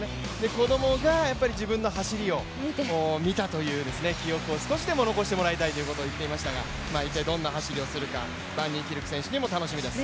子供がやっぱり自分の走りを見たという記憶を少しでも残してもらいたいと言っていましたが一体どんな走りをするか、バンニーキルク選手も楽しみです。